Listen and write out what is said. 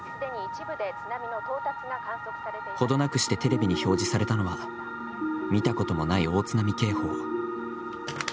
ほどなくしてテレビに表示されたのは、見たこともない大津波警報。